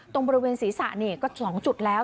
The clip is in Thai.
ตรงบริเวณศีรษะนี่ก็๒จุดแล้ว